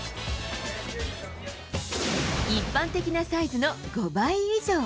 一般的なサイズの５倍以上。